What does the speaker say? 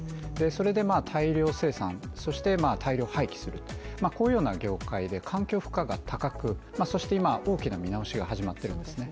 それで大量生産、そして大量廃棄するとこういうような業界で環境負荷が高くそして今大きな見直しが始まってるんです